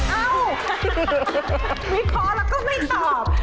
อ้าวมีพอแล้วก็ไม่ตอบ